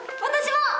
私も。